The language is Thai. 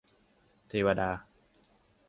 เทวดา